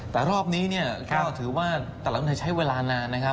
แต่รอบนี้ก็ถือว่าแต่เราไม่ใช้เวลานานนะครับ